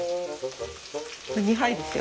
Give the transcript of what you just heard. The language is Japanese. これ２杯ですよ。